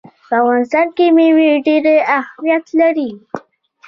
په افغانستان کې مېوې ډېر اهمیت لري.